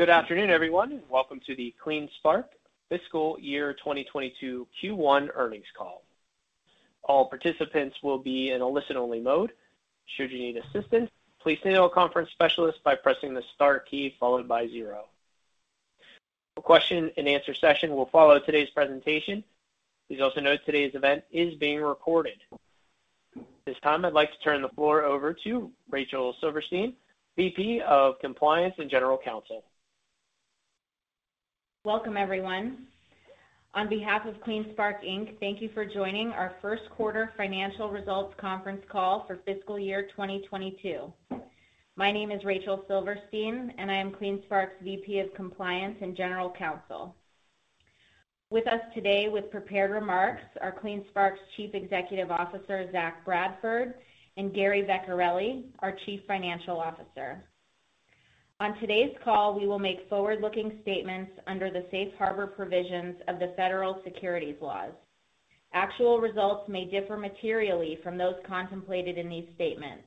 Good afternoon, everyone. Welcome to the CleanSpark Fiscal Year 2022 Q1 Earnings Call. All participants will be in a listen-only mode. Should you need assistance, please signal a conference specialist by pressing the star key followed by zero. A question and answer session will follow today's presentation. Please also note today's event is being recorded. This time, I'd like to turn the floor over to Rachel Silverstein, VP of Compliance and General Counsel. Welcome, everyone. On behalf of CleanSpark, Inc., thank you for joining our First Quarter Financial Results Conference Call for Fiscal Year 2022. My name is Rachel Silverstein, and I am CleanSpark's VP of Compliance and General Counsel. With us today with prepared remarks are CleanSpark's Chief Executive Officer, Zach Bradford, and Gary Vecchiarelli, our Chief Financial Officer. On today's call, we will make forward-looking statements under the safe harbor provisions of the federal securities laws. Actual results may differ materially from those contemplated in these statements.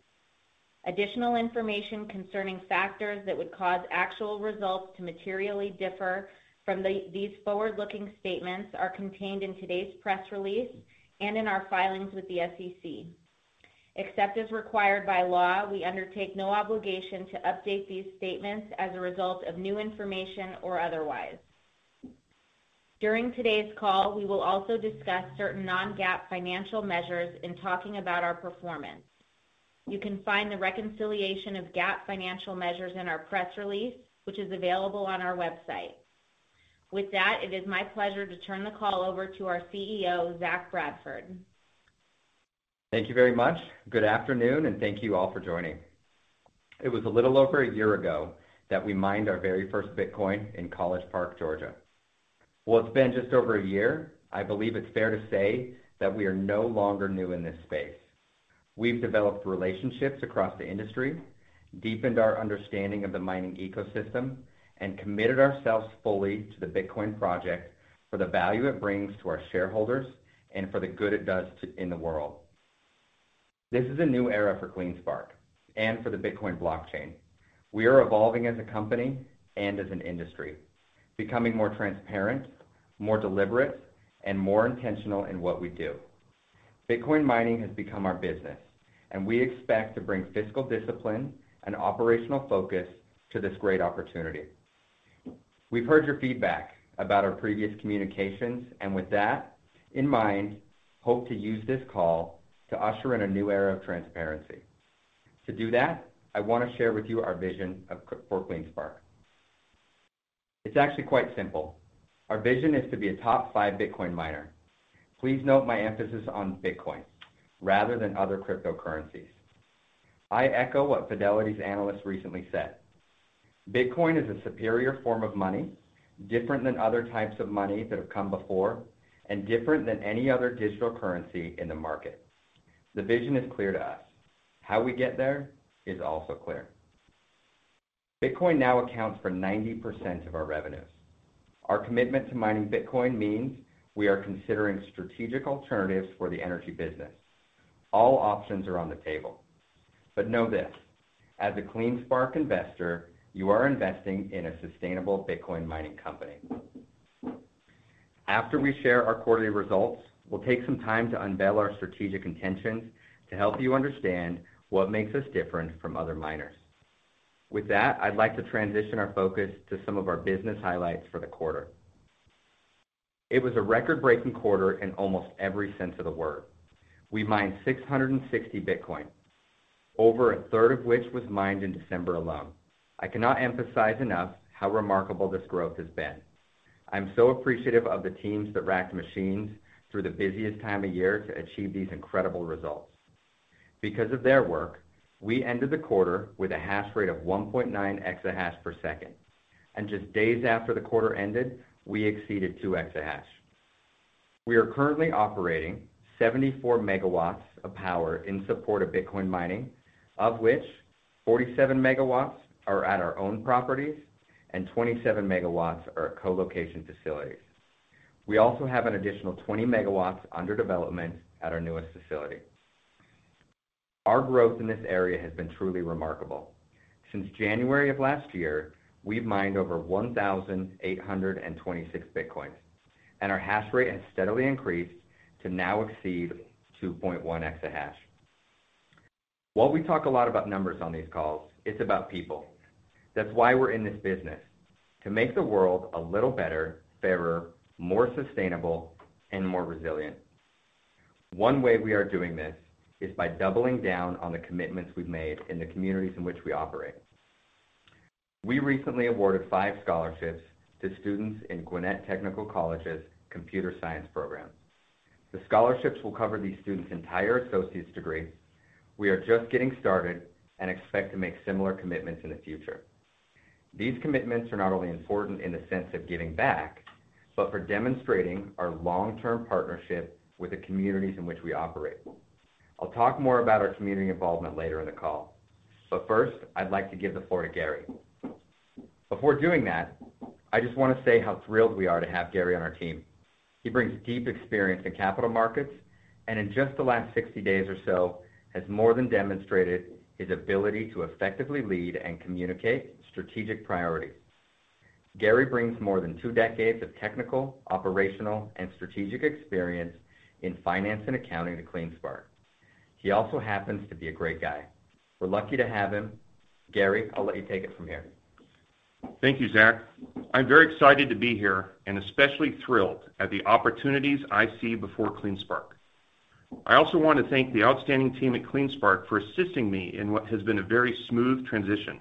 Additional information concerning factors that would cause actual results to materially differ from these forward-looking statements are contained in today's press release and in our filings with the SEC. Except as required by law, we undertake no obligation to update these statements as a result of new information or otherwise. During today's call, we will also discuss certain non-GAAP financial measures in talking about our performance. You can find the reconciliation of GAAP financial measures in our press release, which is available on our website. With that, it is my pleasure to turn the call over to our CEO, Zach Bradford. Thank you very much. Good afternoon, and thank you all for joining. It was a little over a year ago that we mined our very first Bitcoin in College Park, Georgia. Well, it's been just over a year. I believe it's fair to say that we are no longer new in this space. We've developed relationships across the industry, deepened our understanding of the mining ecosystem, and committed ourselves fully to the Bitcoin project for the value it brings to our shareholders and for the good it does in the world. This is a new era for CleanSpark and for the Bitcoin blockchain. We are evolving as a company and as an industry, becoming more transparent, more deliberate, and more intentional in what we do. Bitcoin mining has become our business, and we expect to bring fiscal discipline and operational focus to this great opportunity. We've heard your feedback about our previous communications, and with that in mind, hope to use this call to usher in a new era of transparency. To do that, I wanna share with you our vision for CleanSpark. It's actually quite simple. Our vision is to be a top five Bitcoin miner. Please note my emphasis on Bitcoin rather than other cryptocurrencies. I echo what Fidelity's analyst recently said. Bitcoin is a superior form of money, different than other types of money that have come before, and different than any other digital currency in the market. The vision is clear to us. How we get there is also clear. Bitcoin now accounts for 90% of our revenues. Our commitment to mining Bitcoin means we are considering strategic alternatives for the energy business. All options are on the table. Know this, as a CleanSpark investor, you are investing in a sustainable Bitcoin mining company. After we share our quarterly results, we'll take some time to unveil our strategic intentions to help you understand what makes us different from other miners. With that, I'd like to transition our focus to some of our business highlights for the quarter. It was a record-breaking quarter in almost every sense of the word. We mined 660 Bitcoin, over a third of which was mined in December alone. I cannot emphasize enough how remarkable this growth has been. I'm so appreciative of the teams that racked machines through the busiest time of year to achieve these incredible results. Because of their work, we ended the quarter with a hash rate of 1.9 exahash per second, and just days after the quarter ended, we exceeded 2 exahash. We are currently operating 74 MW of power in support of Bitcoin mining, of which 47 MW are at our own properties and 27 MW are at co-location facilities. We also have an additional 20 MW under development at our newest facility. Our growth in this area has been truly remarkable. Since January of last year, we've mined over 1,826 Bitcoin, and our hash rate has steadily increased to now exceed 2.1 exahash. While we talk a lot about numbers on these calls, it's about people. That's why we're in this business, to make the world a little better, fairer, more sustainable, and more resilient. One way we are doing this is by doubling down on the commitments we've made in the communities in which we operate. We recently awarded five scholarships to students in Gwinnett Technical College's computer science program. The scholarships will cover these students' entire associate's degree. We are just getting started and expect to make similar commitments in the future. These commitments are not only important in the sense of giving back, but for demonstrating our long-term partnership with the communities in which we operate. I'll talk more about our community involvement later in the call. First, I'd like to give the floor to Gary. Before doing that, I just wanna say how thrilled we are to have Gary on our team. He brings deep experience in capital markets, and in just the last 60 days or so, has more than demonstrated his ability to effectively lead and communicate strategic priorities. Gary brings more than two decades of technical, operational, and strategic experience in finance and accounting to CleanSpark. He also happens to be a great guy. We're lucky to have him. Gary, I'll let you take it from here. Thank you, Zach. I'm very excited to be here and especially thrilled at the opportunities I see before CleanSpark. I also want to thank the outstanding team at CleanSpark for assisting me in what has been a very smooth transition.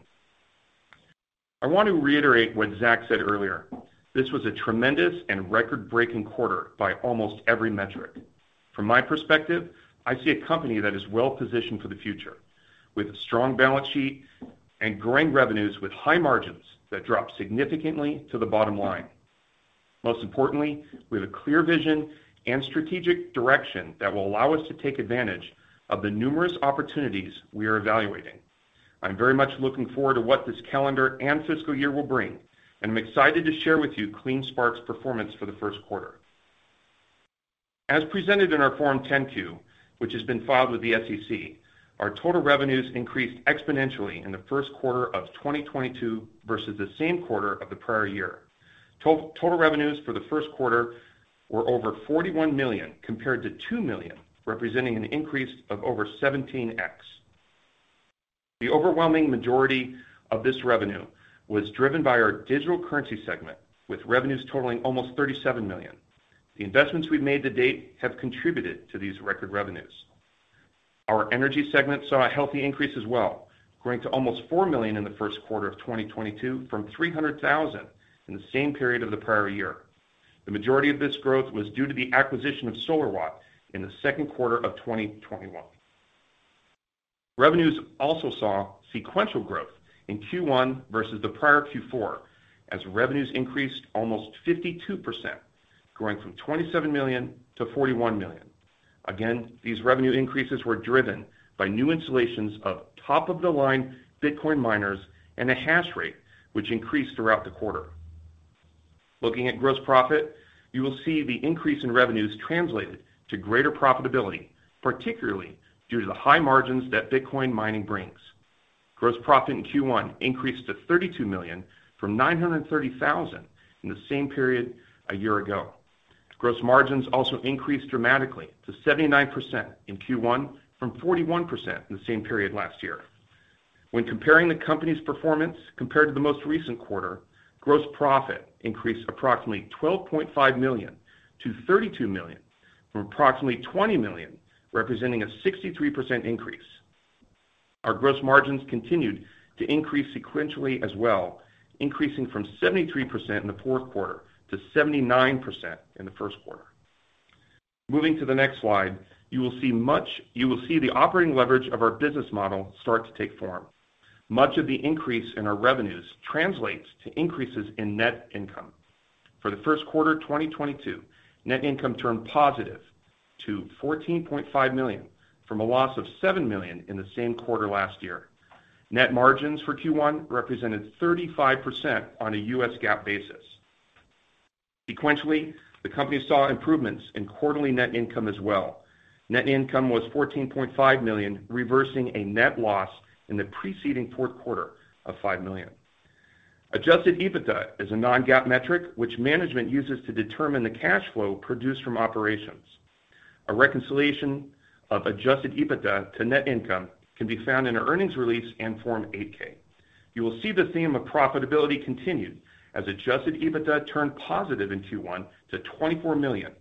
I want to reiterate what Zach said earlier. This was a tremendous and record-breaking quarter by almost every metric. From my perspective, I see a company that is well-positioned for the future, with a strong balance sheet and growing revenues with high margins that drop significantly to the bottom line. Most importantly, we have a clear vision and strategic direction that will allow us to take advantage of the numerous opportunities we are evaluating. I'm very much looking forward to what this calendar and fiscal year will bring, and I'm excited to share with you CleanSpark's performance for the first quarter. As presented in our Form 10-Q, which has been filed with the SEC, our total revenues increased exponentially in the first quarter of 2022 versus the same quarter of the prior year. Total revenues for the first quarter were over $41 million compared to $2 million, representing an increase of over 17x. The overwhelming majority of this revenue was driven by our digital currency segment, with revenues totaling almost $37 million. The investments we've made to date have contributed to these record revenues. Our energy segment saw a healthy increase as well, growing to almost $4 million in the first quarter of 2022 from $300,000 in the same period of the prior year. The majority of this growth was due to the acquisition of Solar Watt in the second quarter of 2021. Revenues also saw sequential growth in Q1 versus the prior Q4, as revenues increased almost 52%, growing from $27 million to $41 million. Again, these revenue increases were driven by new installations of top-of-the-line Bitcoin miners and a hash rate which increased throughout the quarter. Looking at gross profit, you will see the increase in revenues translated to greater profitability, particularly due to the high margins that Bitcoin mining brings. Gross profit in Q1 increased to $32 million from $930,000 in the same period a year ago. Gross margins also increased dramatically to 79% in Q1 from 41% in the same period last year. When comparing the company's performance compared to the most recent quarter, gross profit increased approximately $12.5 million to $32 million from approximately $20 million, representing a 63% increase. Our gross margins continued to increase sequentially as well, increasing from 73% in the fourth quarter to 79% in the first quarter. Moving to the next slide, you will see the operating leverage of our business model start to take form. Much of the increase in our revenues translates to increases in net income. For the first quarter of 2022, net income turned positive to $14.5 million, from a loss of $7 million in the same quarter last year. Net margins for Q1 represented 35% on a U.S. GAAP basis. Sequentially, the company saw improvements in quarterly net income as well. Net income was $14.5 million, reversing a net loss in the preceding fourth quarter of $5 million. Adjusted EBITDA is a non-GAAP metric which management uses to determine the cash flow produced from operations. A reconciliation of adjusted EBITDA to net income can be found in our earnings release and Form 8-K. You will see the theme of profitability continued as adjusted EBITDA turned positive in Q1 to $24 million,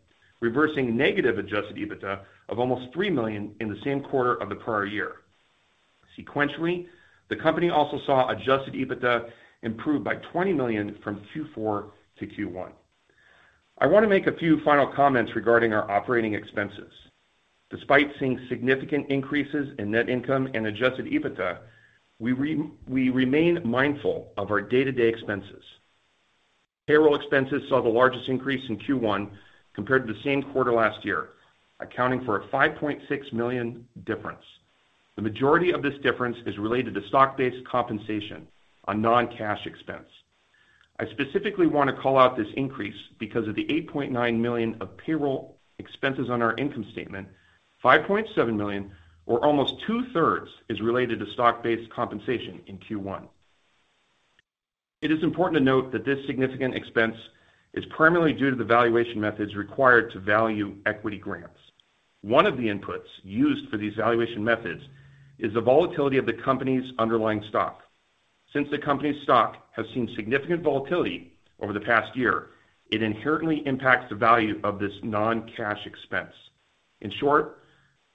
reversing negative adjusted EBITDA of almost $3 million in the same quarter of the prior year. Sequentially, the company also saw adjusted EBITDA improve by $20 million from Q4 to Q1. I wanna make a few final comments regarding our operating expenses. Despite seeing significant increases in net income and adjusted EBITDA, we remain mindful of our day-to-day expenses. Payroll expenses saw the largest increase in Q1 compared to the same quarter last year, accounting for a $5.6 million difference. The majority of this difference is related to stock-based compensation, a non-cash expense. I specifically wanna call out this increase because of the $8.9 million of payroll expenses on our income statement. $5.7 million or almost two-thirds is related to stock-based compensation in Q1. It is important to note that this significant expense is primarily due to the valuation methods required to value equity grants. One of the inputs used for these valuation methods is the volatility of the company's underlying stock. Since the company's stock has seen significant volatility over the past year, it inherently impacts the value of this non-cash expense. In short,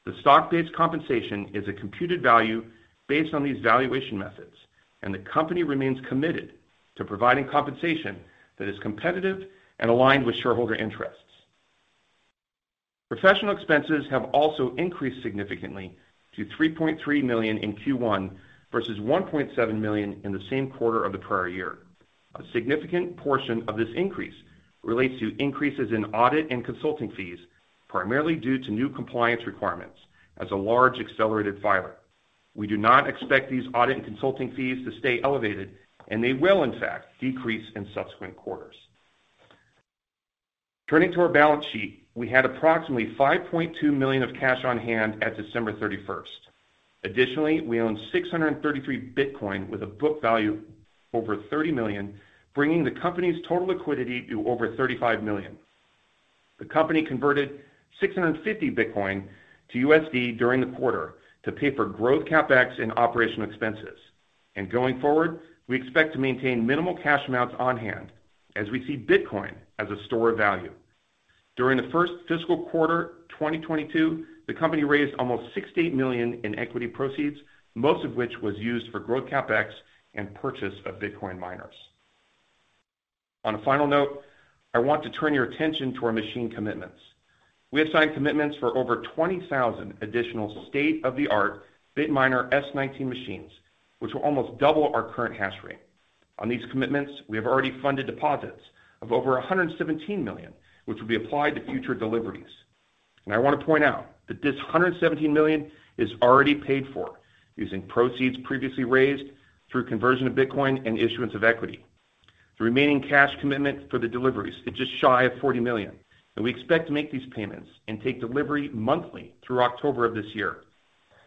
the stock-based compensation is a computed value based on these valuation methods, and the company remains committed to providing compensation that is competitive and aligned with shareholder interests. Professional expenses have also increased significantly to $3.3 million in Q1 versus $1.7 million in the same quarter of the prior year. A significant portion of this increase relates to increases in audit and consulting fees, primarily due to new compliance requirements as a large accelerated filer. We do not expect these audit and consulting fees to stay elevated, and they will in fact decrease in subsequent quarters. Turning to our balance sheet, we had approximately $5.2 million of cash on hand at December 31st. Additionally, we own 633 Bitcoin with a book value over $30 million, bringing the company's total liquidity to over $35 million. The company converted 650 Bitcoin to USD during the quarter to pay for growth CapEx and operational expenses. Going forward, we expect to maintain minimal cash amounts on hand as we see Bitcoin as a store of value. During the first fiscal quarter 2022, the company raised almost $68 million in equity proceeds, most of which was used for growth CapEx and purchase of Bitcoin miners. On a final note, I want to turn your attention to our machine commitments. We have signed commitments for over 20,000 additional state-of-the-art Bitminer S19 machines, which will almost double our current hash rate. On these commitments, we have already funded deposits of over $117 million, which will be applied to future deliveries. I want to point out that this $117 million is already paid for using proceeds previously raised through conversion of Bitcoin and issuance of equity. The remaining cash commitment for the deliveries is just shy of $40 million, and we expect to make these payments and take delivery monthly through October of this year.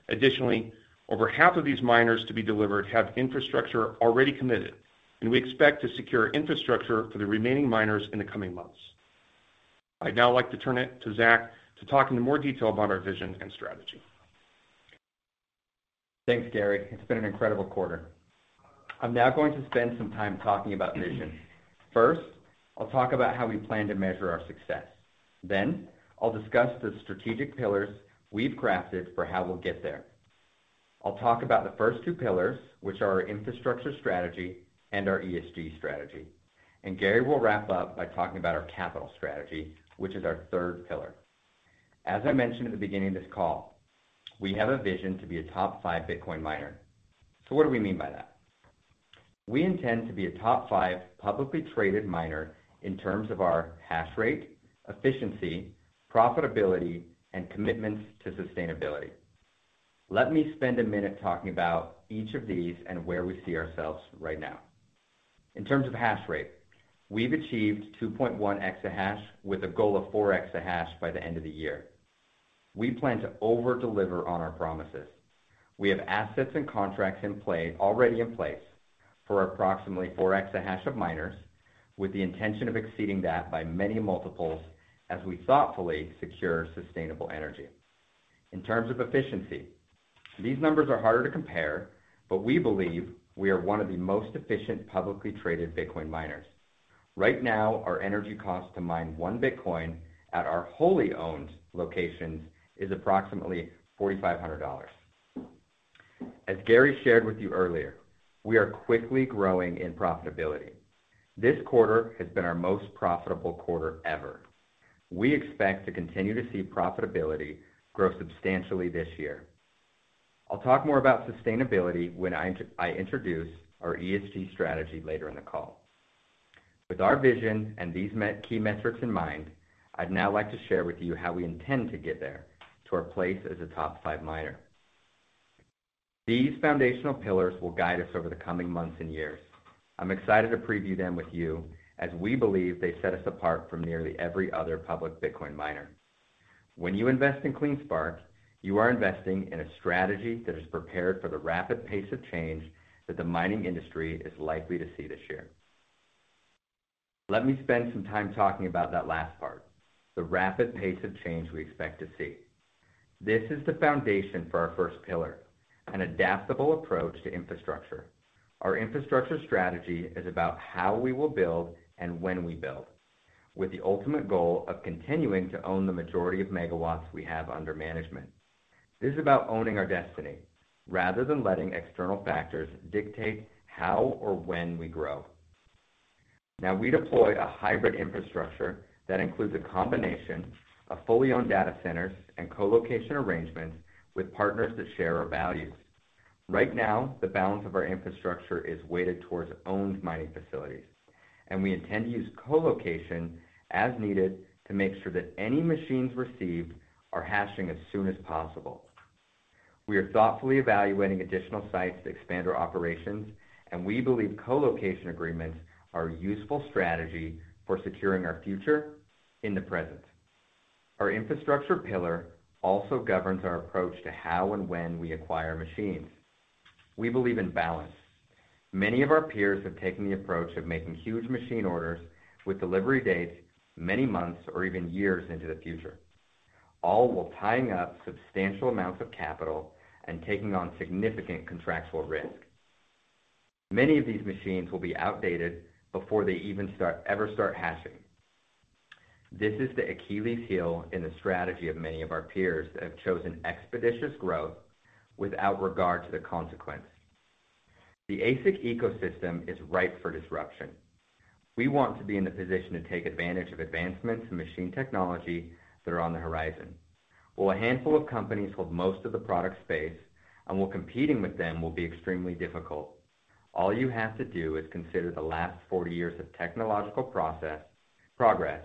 Additionally, over half of these miners to be delivered have infrastructure already committed, and we expect to secure infrastructure for the remaining miners in the coming months. I'd now like to turn it over to Zach to talk in more detail about our vision and strategy. Thanks, Gary. It's been an incredible quarter. I'm now going to spend some time talking about vision. First, I'll talk about how we plan to measure our success. Then I'll discuss the strategic pillars we've crafted for how we'll get there. I'll talk about the first two pillars, which are our infrastructure strategy and our ESG strategy. Gary will wrap up by talking about our capital strategy, which is our third pillar. As I mentioned at the beginning of this call, we have a vision to be a top five Bitcoin miner. What do we mean by that? We intend to be a top five publicly traded miner in terms of our hash rate, efficiency, profitability, and commitments to sustainability. Let me spend a minute talking about each of these and where we see ourselves right now. In terms of hash rate, we've achieved 2.1 exahash with a goal of 4 exahash by the end of the year. We plan to over-deliver on our promises. We have assets and contracts in play, already in place for approximately 4 exahash of miners, with the intention of exceeding that by many multiples as we thoughtfully secure sustainable energy. In terms of efficiency, these numbers are harder to compare, but we believe we are one of the most efficient publicly traded Bitcoin miners. Right now, our energy cost to mine one Bitcoin at our wholly owned locations is approximately $4,500. As Gary shared with you earlier, we are quickly growing in profitability. This quarter has been our most profitable quarter ever. We expect to continue to see profitability grow substantially this year. I'll talk more about sustainability when I introduce our ESG strategy later in the call. With our vision and these key metrics in mind, I'd now like to share with you how we intend to get there to our place as a top five miner. These foundational pillars will guide us over the coming months and years. I'm excited to preview them with you as we believe they set us apart from nearly every other public Bitcoin miner. When you invest in CleanSpark, you are investing in a strategy that is prepared for the rapid pace of change that the mining industry is likely to see this year. Let me spend some time talking about that last part, the rapid pace of change we expect to see. This is the foundation for our first pillar, an adaptable approach to infrastructure. Our infrastructure strategy is about how we will build and when we build, with the ultimate goal of continuing to own the majority of megawatts we have under management. This is about owning our destiny rather than letting external factors dictate how or when we grow. Now, we deploy a hybrid infrastructure that includes a combination of fully owned data centers and co-location arrangements with partners that share our values. Right now, the balance of our infrastructure is weighted towards owned mining facilities, and we intend to use co-location as needed to make sure that any machines received are hashing as soon as possible. We are thoughtfully evaluating additional sites to expand our operations, and we believe co-location agreements are a useful strategy for securing our future in the present. Our infrastructure pillar also governs our approach to how and when we acquire machines. We believe in balance. Many of our peers have taken the approach of making huge machine orders with delivery dates many months or even years into the future, all while tying up substantial amounts of capital and taking on significant contractual risk. Many of these machines will be outdated before they ever start hashing. This is the Achilles heel in the strategy of many of our peers that have chosen expeditious growth without regard to the consequence. The ASIC ecosystem is ripe for disruption. We want to be in the position to take advantage of advancements in machine technology that are on the horizon. While a handful of companies hold most of the product space and while competing with them will be extremely difficult. All you have to do is consider the last 40 years of technological progress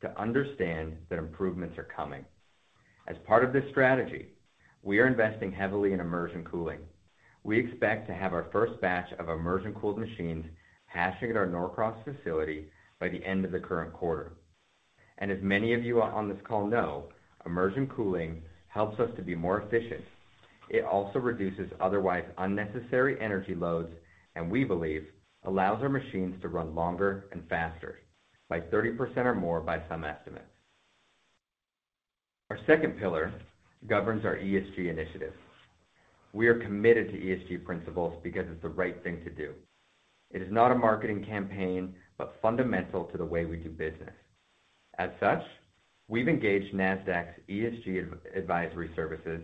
to understand that improvements are coming. As part of this strategy, we are investing heavily in immersion cooling. We expect to have our first batch of immersion cooled machines hashing at our Norcross facility by the end of the current quarter. As many of you on this call know, immersion cooling helps us to be more efficient. It also reduces otherwise unnecessary energy loads, and we believe allows our machines to run longer and faster by 30% or more by some estimates. Our second pillar governs our ESG initiatives. We are committed to ESG principles because it's the right thing to do. It is not a marketing campaign, but fundamental to the way we do business. As such, we've engaged Nasdaq's ESG advisory services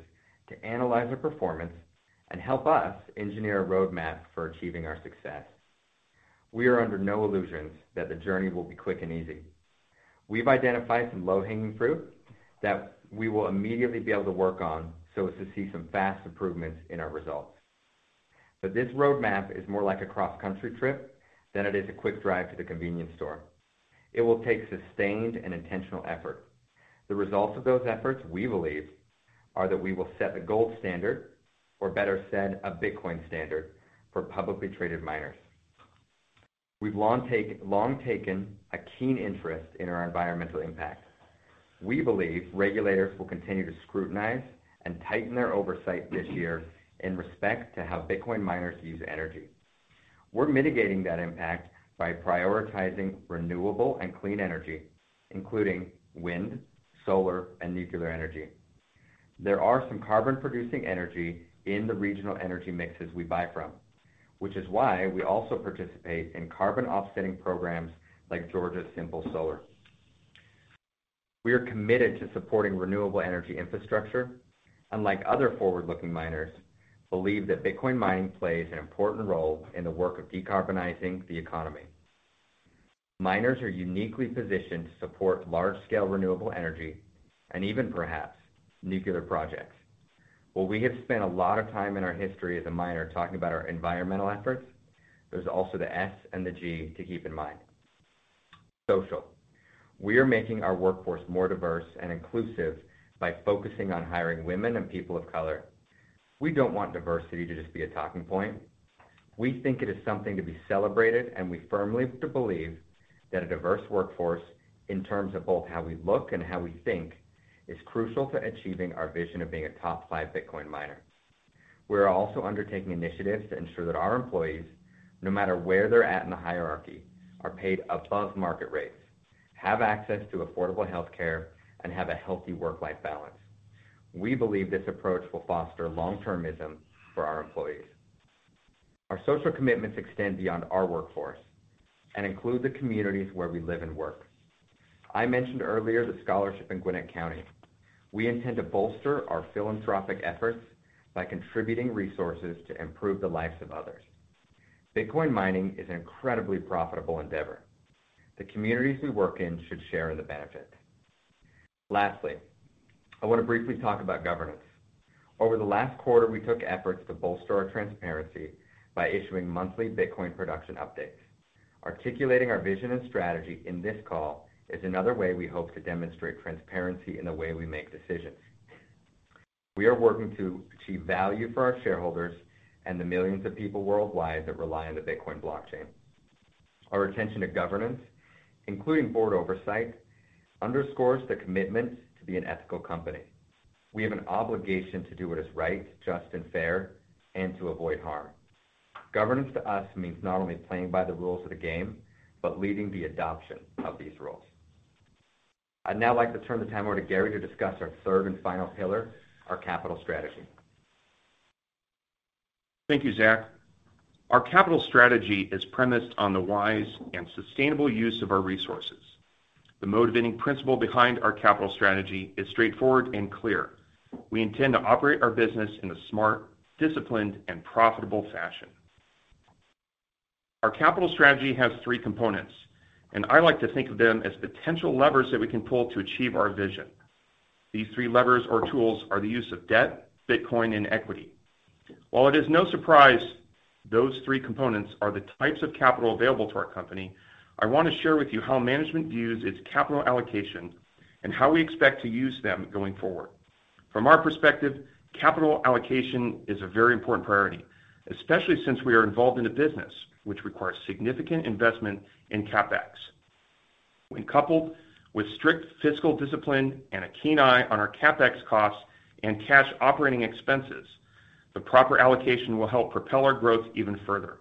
to analyze our performance and help us engineer a roadmap for achieving our success. We are under no illusions that the journey will be quick and easy. We've identified some low-hanging fruit that we will immediately be able to work on so as to see some fast improvements in our results. This roadmap is more like a cross-country trip than it is a quick drive to the convenience store. It will take sustained and intentional effort. The results of those efforts, we believe, are that we will set the gold standard, or better said, a Bitcoin standard for publicly traded miners. We've long taken a keen interest in our environmental impact. We believe regulators will continue to scrutinize and tighten their oversight this year in respect to how Bitcoin miners use energy. We're mitigating that impact by prioritizing renewable and clean energy, including wind, solar, and nuclear energy. There are some carbon-producing energy in the regional energy mixes we buy from, which is why we also participate in carbon offsetting programs like Georgia Simple Solar. We are committed to supporting renewable energy infrastructure. Unlike other forward-looking miners, we believe that Bitcoin mining plays an important role in the work of decarbonizing the economy. Miners are uniquely positioned to support large-scale renewable energy and even perhaps nuclear projects. While we have spent a lot of time in our history as a miner talking about our environmental efforts, there's also the S and the G to keep in mind. Social. We are making our workforce more diverse and inclusive by focusing on hiring women and people of color. We don't want diversity to just be a talking point. We think it is something to be celebrated, and we firmly believe that a diverse workforce in terms of both how we look and how we think is crucial to achieving our vision of being a top five Bitcoin miner. We are also undertaking initiatives to ensure that our employees, no matter where they're at in the hierarchy, are paid above market rates, have access to affordable health care, and have a healthy work-life balance. We believe this approach will foster long-termism for our employees. Our social commitments extend beyond our workforce and include the communities where we live and work. I mentioned earlier the scholarship in Gwinnett County. We intend to bolster our philanthropic efforts by contributing resources to improve the lives of others. Bitcoin mining is an incredibly profitable endeavor. The communities we work in should share in the benefit. Lastly, I want to briefly talk about governance. Over the last quarter, we took efforts to bolster our transparency by issuing monthly Bitcoin production updates. Articulating our vision and strategy in this call is another way we hope to demonstrate transparency in the way we make decisions. We are working to achieve value for our shareholders and the millions of people worldwide that rely on the Bitcoin blockchain. Our attention to governance, including board oversight, underscores the commitment to be an ethical company. We have an obligation to do what is right, just, and fair, and to avoid harm. Governance to us means not only playing by the rules of the game, but leading the adoption of these rules. I'd now like to turn the time over to Gary to discuss our third and final pillar, our capital strategy. Thank you, Zach. Our capital strategy is premised on the wise and sustainable use of our resources. The motivating principle behind our capital strategy is straightforward and clear. We intend to operate our business in a smart, disciplined, and profitable fashion. Our capital strategy has three components, and I like to think of them as potential levers that we can pull to achieve our vision. These three levers or tools are the use of debt, Bitcoin, and equity. While it is no surprise those three components are the types of capital available to our company, I want to share with you how management views its capital allocation and how we expect to use them going forward. From our perspective, capital allocation is a very important priority, especially since we are involved in a business which requires significant investment in CapEx. When coupled with strict fiscal discipline and a keen eye on our CapEx costs and cash operating expenses, the proper allocation will help propel our growth even further.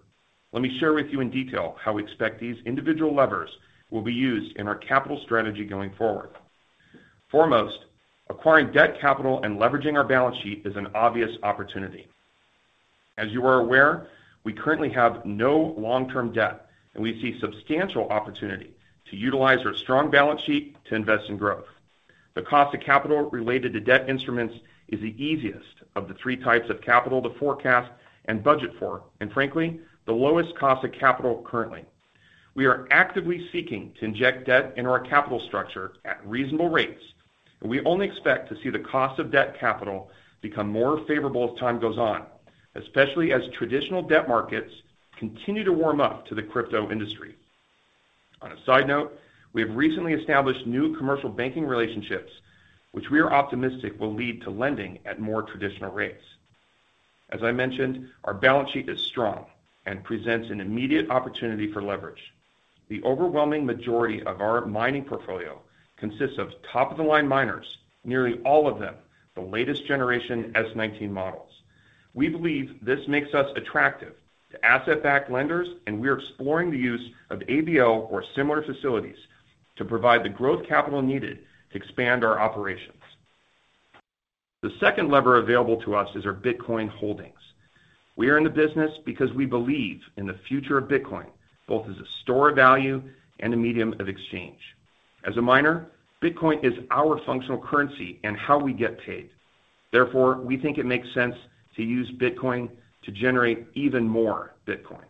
Let me share with you in detail how we expect these individual levers will be used in our capital strategy going forward. Foremost, acquiring debt capital and leveraging our balance sheet is an obvious opportunity. As you are aware, we currently have no long-term debt, and we see substantial opportunity to utilize our strong balance sheet to invest in growth. The cost of capital related to debt instruments is the easiest of the three types of capital to forecast and budget for, and frankly, the lowest cost of capital currently. We are actively seeking to inject debt into our capital structure at reasonable rates, and we only expect to see the cost of debt capital become more favorable as time goes on, especially as traditional debt markets continue to warm up to the crypto industry. On a side note, we have recently established new commercial banking relationships, which we are optimistic will lead to lending at more traditional rates. As I mentioned, our balance sheet is strong and presents an immediate opportunity for leverage. The overwhelming majority of our mining portfolio consists of top-of-the-line miners, nearly all of them the latest generation S19 models. We believe this makes us attractive to asset-backed lenders, and we are exploring the use of ABL or similar facilities to provide the growth capital needed to expand our operations. The second lever available to us is our Bitcoin holdings. We are in the business because we believe in the future of Bitcoin, both as a store of value and a medium of exchange. As a miner, Bitcoin is our functional currency and how we get paid. Therefore, we think it makes sense to use Bitcoin to generate even more Bitcoin.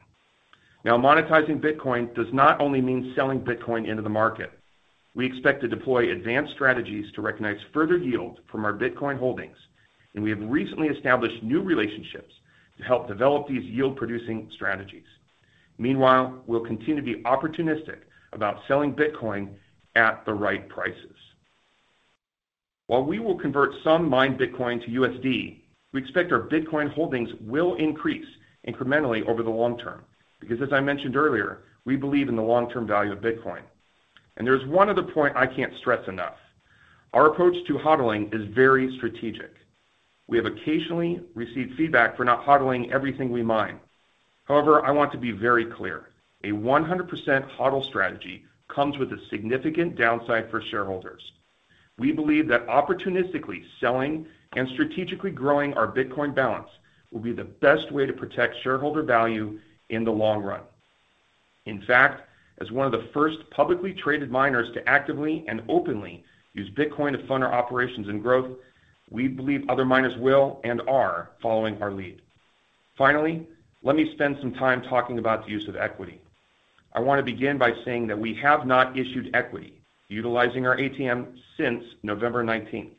Now, monetizing Bitcoin does not only mean selling Bitcoin into the market. We expect to deploy advanced strategies to recognize further yield from our Bitcoin holdings, and we have recently established new relationships to help develop these yield-producing strategies. Meanwhile, we'll continue to be opportunistic about selling Bitcoin at the right prices. While we will convert some mined Bitcoin to USD, we expect our Bitcoin holdings will increase incrementally over the long term because as I mentioned earlier, we believe in the long-term value of Bitcoin. There's one other point I can't stress enough. Our approach to HODLing is very strategic. We have occasionally received feedback for not HODLing everything we mine. However, I want to be very clear, a 100% HODL strategy comes with a significant downside for shareholders. We believe that opportunistically selling and strategically growing our Bitcoin balance will be the best way to protect shareholder value in the long run. In fact, as one of the first publicly traded miners to actively and openly use Bitcoin to fund our operations and growth, we believe other miners will and are following our lead. Finally, let me spend some time talking about the use of equity. I wanna begin by saying that we have not issued equity utilizing our ATM since November 19.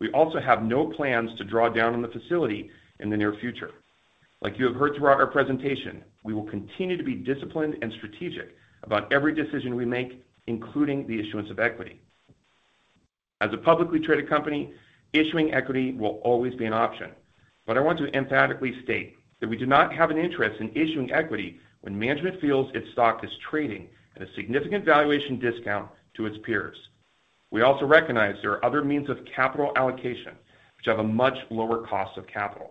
We also have no plans to draw down on the facility in the near future. Like you have heard throughout our presentation, we will continue to be disciplined and strategic about every decision we make, including the issuance of equity. As a publicly traded company, issuing equity will always be an option. I want to emphatically state that we do not have an interest in issuing equity when management feels its stock is trading at a significant valuation discount to its peers. We also recognize there are other means of capital allocation which have a much lower cost of capital.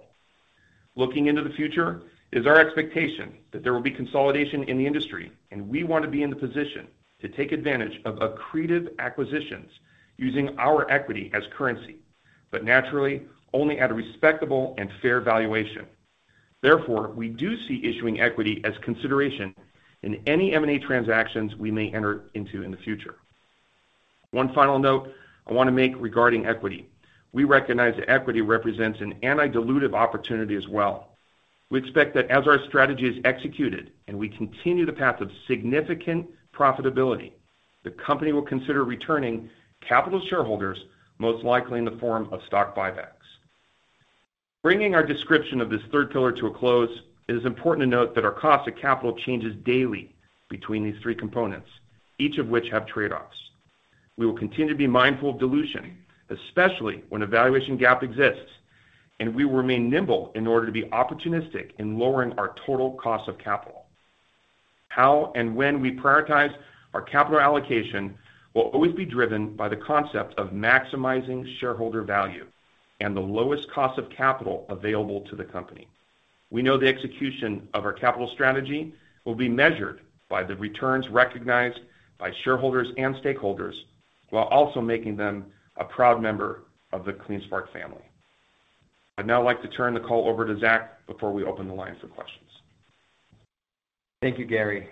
Looking into the future, it is our expectation that there will be consolidation in the industry, and we want to be in the position to take advantage of accretive acquisitions using our equity as currency, but naturally, only at a respectable and fair valuation. Therefore, we do see issuing equity as consideration in any M&A transactions we may enter into in the future. One final note I wanna make regarding equity. We recognize that equity represents an anti-dilutive opportunity as well. We expect that as our strategy is executed and we continue the path of significant profitability, the company will consider returning capital to shareholders, most likely in the form of stock buybacks. Bringing our description of this third pillar to a close, it is important to note that our cost of capital changes daily between these three components, each of which have trade-offs. We will continue to be mindful of dilution, especially when a valuation gap exists, and we will remain nimble in order to be opportunistic in lowering our total cost of capital. How and when we prioritize our capital allocation will always be driven by the concept of maximizing shareholder value and the lowest cost of capital available to the company. We know the execution of our capital strategy will be measured by the returns recognized by shareholders and stakeholders while also making them a proud member of the CleanSpark family. I'd now like to turn the call over to Zach before we open the lines for questions. Thank you, Gary,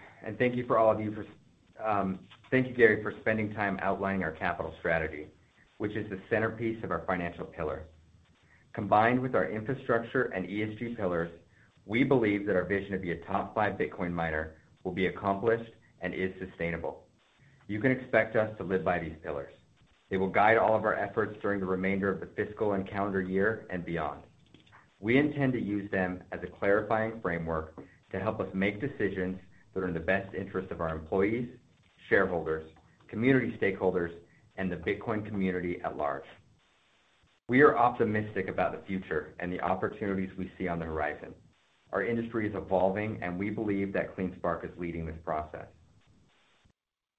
for spending time outlining our capital strategy, which is the centerpiece of our financial pillar. Combined with our infrastructure and ESG pillars, we believe that our vision to be a top five Bitcoin miner will be accomplished and is sustainable. You can expect us to live by these pillars. They will guide all of our efforts during the remainder of the fiscal and calendar year and beyond. We intend to use them as a clarifying framework to help us make decisions that are in the best interest of our employees, shareholders, community stakeholders, and the Bitcoin community at large. We are optimistic about the future and the opportunities we see on the horizon. Our industry is evolving, and we believe that CleanSpark is leading this process.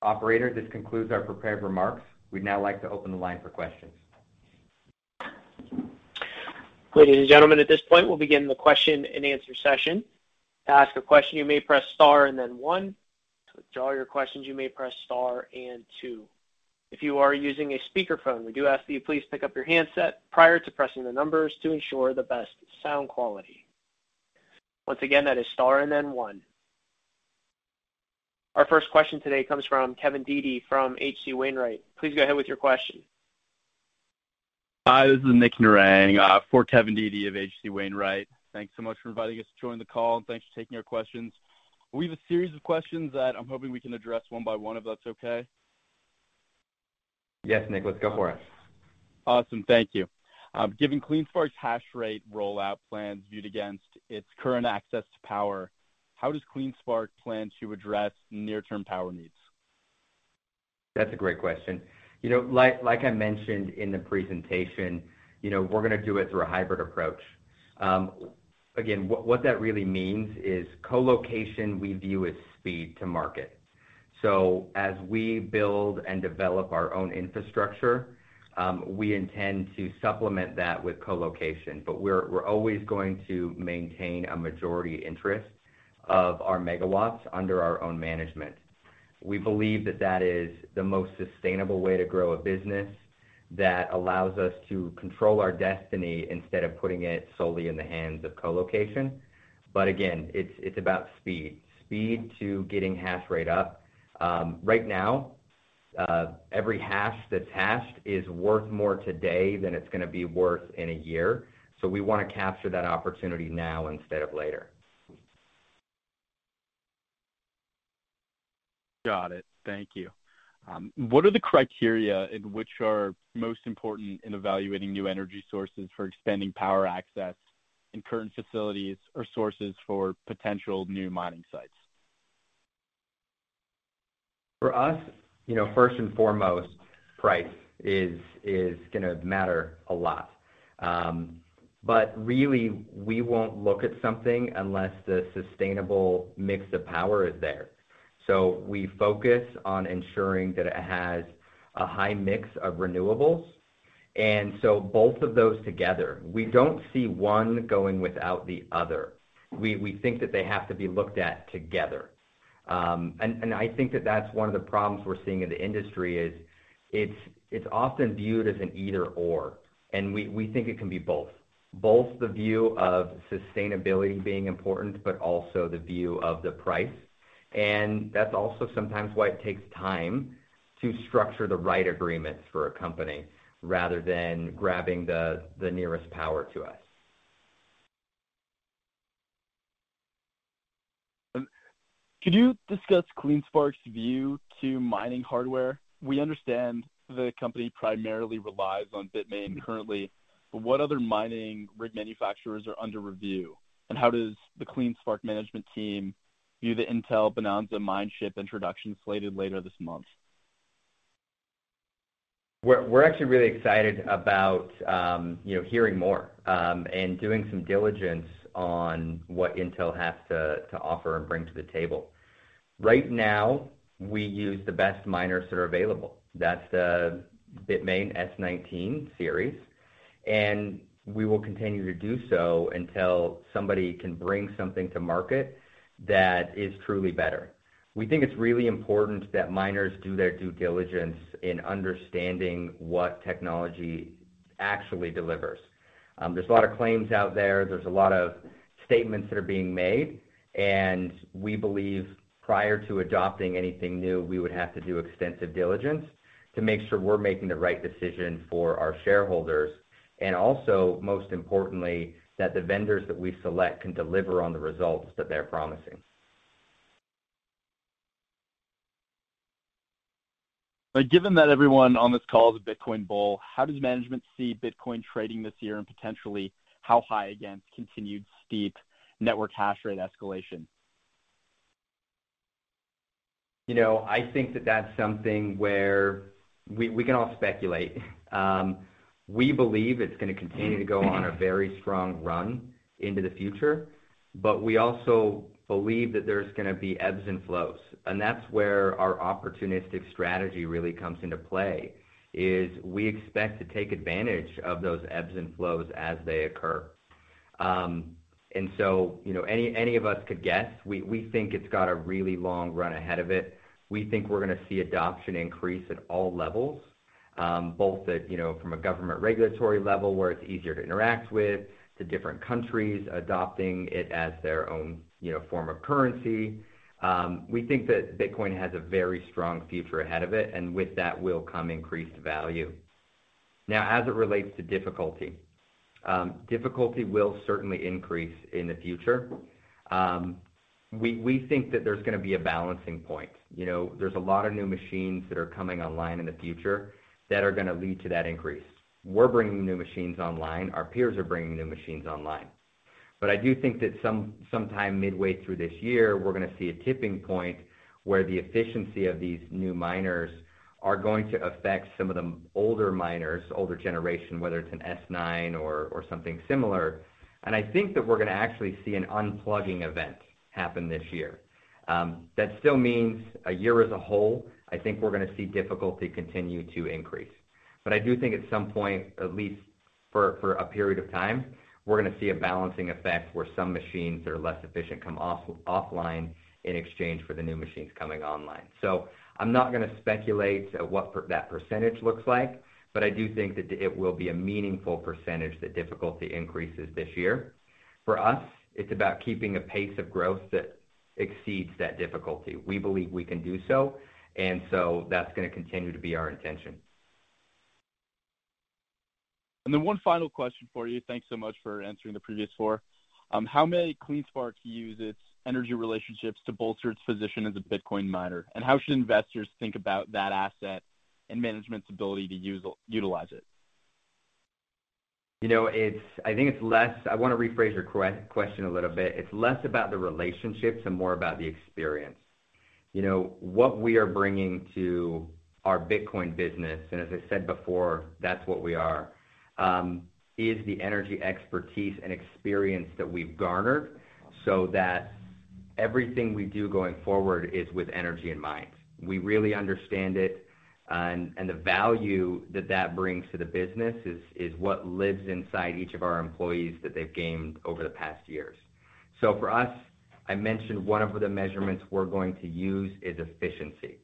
Operator, this concludes our prepared remarks. We'd now like to open the line for questions. Ladies and gentlemen, at this point, we'll begin the question-and-answer session. To ask a question, you may press star and then one. To withdraw your questions, you may press star and two. If you are using a speakerphone, we do ask that you please pick up your handset prior to pressing the numbers to ensure the best sound quality. Once again, that is star and then one. Our first question today comes from Kevin Dede from H.C. Wainwright. Please go ahead with your question. Hi, this is Nick Narang for Kevin Dede of H.C. Wainwright. Thanks so much for inviting us to join the call and thanks for taking our questions. We have a series of questions that I'm hoping we can address one by one, if that's okay. Yes, Nick. Let's go for it. Awesome. Thank you. Given CleanSpark's hash rate rollout plans viewed against its current access to power, how does CleanSpark plan to address near-term power needs? That's a great question. You know, like I mentioned in the presentation, you know, we're gonna do it through a hybrid approach. Again, what that really means is colocation we view as speed to market. As we build and develop our own infrastructure, we intend to supplement that with colocation. We're always going to maintain a majority interest of our megawatts under our own management. We believe that is the most sustainable way to grow a business that allows us to control our destiny instead of putting it solely in the hands of colocation. Again, it's about speed to getting hash rate up. Right now, every hash that's hashed is worth more today than it's gonna be worth in a year. We wanna capture that opportunity now instead of later. Got it. Thank you. What are the criteria and which are most important in evaluating new energy sources for expanding power access in current facilities or sources for potential new mining sites? For us, you know, first and foremost, price is gonna matter a lot. Really, we won't look at something unless the sustainable mix of power is there. We focus on ensuring that it has a high mix of renewables. Both of those together. We don't see one going without the other. We think that they have to be looked at together. I think that that's one of the problems we're seeing in the industry is it's often viewed as an either/or, and we think it can be both. Both the view of sustainability being important, but also the view of the price. That's also sometimes why it takes time to structure the right agreements for a company rather than grabbing the nearest power to us. Could you discuss CleanSpark's view to mining hardware? We understand the company primarily relies on Bitmain currently. What other mining rig manufacturers are under review, and how does the CleanSpark management team view the Intel Bonanza Mine Chip introduction slated later this month? We're actually really excited about you know hearing more and doing some diligence on what Intel has to offer and bring to the table. Right now, we use the best miners that are available. That's the Bitmain S19 series, and we will continue to do so until somebody can bring something to market that is truly better. We think it's really important that miners do their due diligence in understanding what technology actually delivers. There's a lot of claims out there's a lot of statements that are being made, and we believe prior to adopting anything new, we would have to do extensive diligence to make sure we're making the right decision for our shareholders, most importantly, that the vendors that we select can deliver on the results that they're promising. Given that everyone on this call is a Bitcoin bull, how does management see Bitcoin trading this year and potentially how high against continued steep network hash rate escalation? You know, I think that that's something where we can all speculate. We believe it's gonna continue to go on a very strong run into the future, but we also believe that there's gonna be ebbs and flows. That's where our opportunistic strategy really comes into play, is we expect to take advantage of those ebbs and flows as they occur. You know, any of us could guess. We think it's got a really long run ahead of it. We think we're gonna see adoption increase at all levels, both at, you know, from a government regulatory level where it's easier to interact with, to different countries adopting it as their own, you know, form of currency. We think that Bitcoin has a very strong future ahead of it, and with that will come increased value. Now, as it relates to difficulty will certainly increase in the future. We think that there's gonna be a balancing point. You know, there's a lot of new machines that are coming online in the future that are gonna lead to that increase. We're bringing new machines online, our peers are bringing new machines online. But I do think that sometime midway through this year, we're gonna see a tipping point where the efficiency of these new miners are going to affect some of the older miners, older generation, whether it's an S9 or something similar. I think that we're gonna actually see an unplugging event happen this year. That still means a year as a whole, I think we're gonna see difficulty continue to increase. I do think at some point, at least for a period of time, we're gonna see a balancing effect where some machines that are less efficient come offline in exchange for the new machines coming online. I'm not gonna speculate what that percentage looks like, but I do think that it will be a meaningful percentage that difficulty increases this year. For us, it's about keeping a pace of growth that exceeds that difficulty. We believe we can do so, and that's gonna continue to be our intention. One final question for you. Thanks so much for answering the previous four. How may CleanSpark use its energy relationships to bolster its position as a Bitcoin miner? How should investors think about that asset and management's ability to utilize it? You know, I think it's less. I wanna rephrase your question a little bit. It's less about the relationships and more about the experience. You know, what we are bringing to our Bitcoin business, and as I said before, that's what we are is the energy expertise and experience that we've garnered so that everything we do going forward is with energy in mind. We really understand it. The value that brings to the business is what lives inside each of our employees that they've gained over the past years. For us, I mentioned one of the measurements we're going to use is efficiency.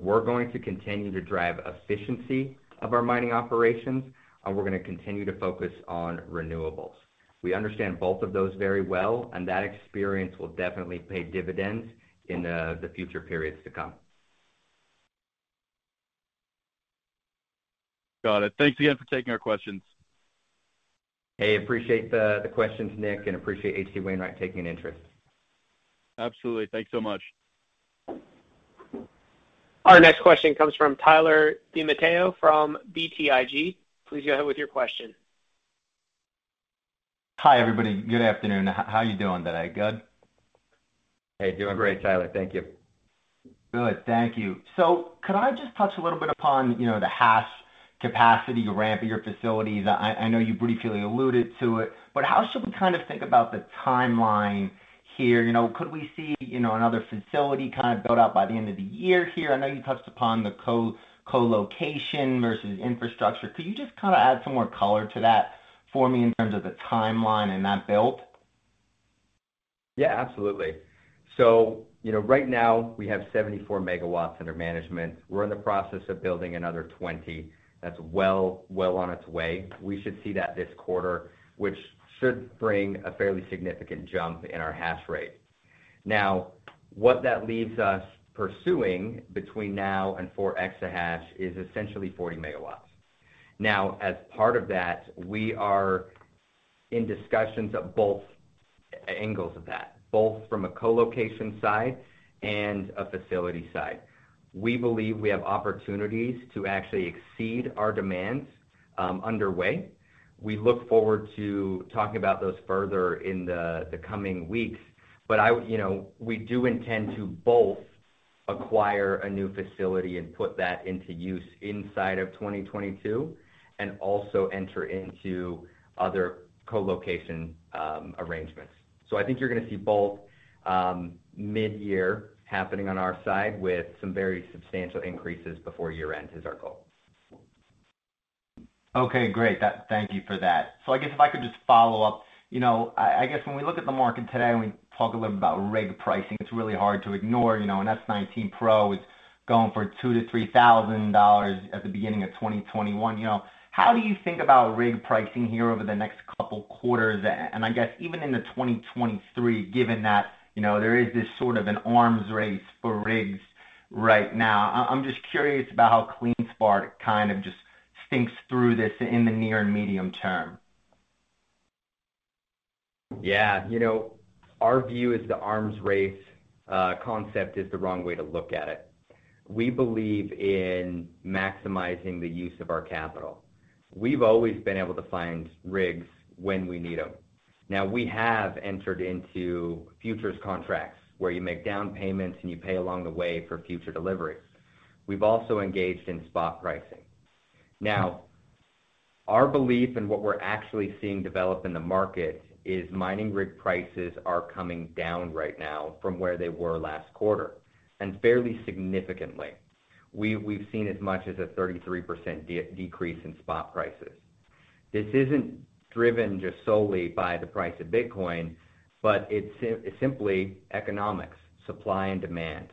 We're going to continue to drive efficiency of our mining operations, and we're gonna continue to focus on renewables. We understand both of those very well, and that experience will definitely pay dividends in the future periods to come. Got it. Thanks again for taking our questions. Hey, appreciate the questions, Nick, and appreciate H.C. Wainwright taking an interest. Absolutely. Thanks so much. Our next question comes from Tyler DiMatteo from BTIG. Please go ahead with your question. Hi, everybody. Good afternoon. How are you doing today? Good? Hey. Doing great, Tyler. Thank you. Good. Thank you. Could I just touch a little bit upon, you know, the hash capacity ramp at your facilities? I know you briefly alluded to it, but how should we kind of think about the timeline here? You know, could we see, you know, another facility kind of built out by the end of the year here? I know you touched upon the co-colocation versus infrastructure. Could you just kinda add some more color to that for me in terms of the timeline and that build? Yeah, absolutely. You know, right now we have 74 MW under management. We're in the process of building another 20 MW that's well on its way. We should see that this quarter, which should bring a fairly significant jump in our hash rate. Now, what that leaves us pursuing between now and 4 exahash is essentially 40 MW. Now, as part of that, we are in discussions of both angles of that, both from a colocation side and a facility side. We believe we have opportunities to actually exceed our demands underway. We look forward to talking about those further in the coming weeks. You know, we do intend to both acquire a new facility and put that into use inside of 2022, and also enter into other colocation arrangements. I think you're gonna see both mid-year happening on our side with some very substantial increases before year end is our goal. Okay. Great. Thank you for that. I guess if I could just follow up. You know, I guess when we look at the market today and we talk a little about rig pricing, it's really hard to ignore, you know. An S19 Pro is going for $2,000-$3,000 at the beginning of 2021, you know. How do you think about rig pricing here over the next couple quarters? I guess even into 2023, given that, you know, there is this sort of an arms race for rigs right now. I'm just curious about how CleanSpark kind of just thinks through this in the near and medium term. Yeah. You know, our view is the arms race concept is the wrong way to look at it. We believe in maximizing the use of our capital. We've always been able to find rigs when we need them. Now, we have entered into futures contracts where you make down payments and you pay along the way for future deliveries. We've also engaged in spot pricing. Now, our belief and what we're actually seeing develop in the market is mining rig prices are coming down right now from where they were last quarter, and fairly significantly. We've seen as much as a 33% decrease in spot prices. This isn't driven just solely by the price of Bitcoin, but it's simply economics, supply and demand.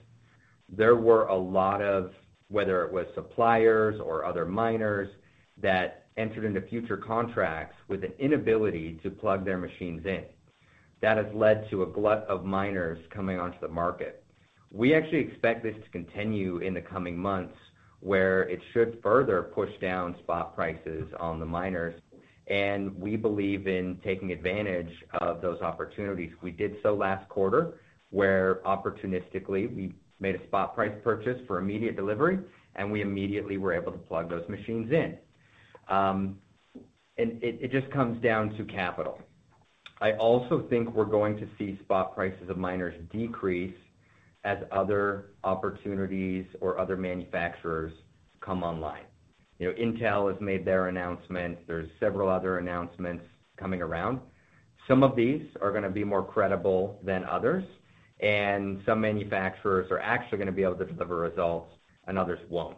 There were a lot of, whether it was suppliers or other miners that entered into future contracts with an inability to plug their machines in. That has led to a glut of miners coming onto the market. We actually expect this to continue in the coming months, where it should further push down spot prices on the miners, and we believe in taking advantage of those opportunities. We did so last quarter, where opportunistically, we made a spot price purchase for immediate delivery, and we immediately were able to plug those machines in. It just comes down to capital. I also think we're going to see spot prices of miners decrease as other opportunities or other manufacturers come online. You know, Intel has made their announcement. There's several other announcements coming around. Some of these are gonna be more credible than others, and some manufacturers are actually gonna be able to deliver results, and others won't.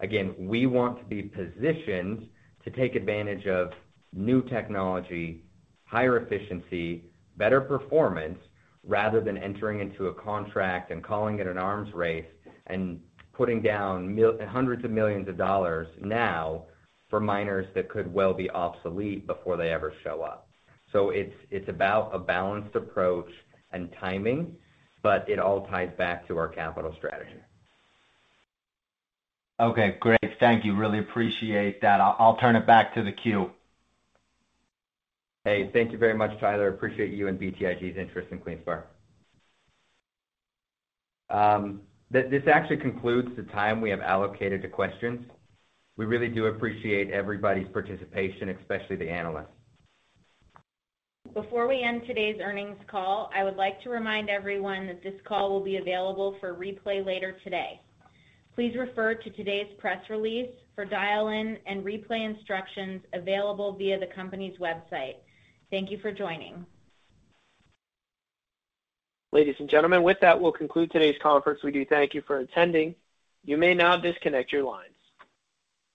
Again, we want to be positioned to take advantage of new technology, higher efficiency, better performance, rather than entering into a contract and calling it an arms race and putting down $hundreds of millions now for miners that could well be obsolete before they ever show up. It's about a balanced approach and timing, but it all ties back to our capital strategy. Okay. Great. Thank you. Really appreciate that. I'll turn it back to the queue. Hey, thank you very much, Tyler. Appreciate you and BTIG's interest in CleanSpark. This actually concludes the time we have allocated to questions. We really do appreciate everybody's participation, especially the analysts. Before we end today's earnings call, I would like to remind everyone that this call will be available for replay later today. Please refer to today's press release for dial-in and replay instructions available via the company's website. Thank you for joining. Ladies and gentlemen, with that, we'll conclude today's conference. We do thank you for attending. You may now disconnect your lines.